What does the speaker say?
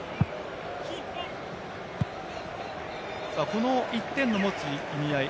この１点の持つ意味合い